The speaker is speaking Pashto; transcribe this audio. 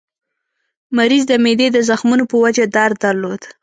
مریض د معدې د زخمونو په وجه درد درلود.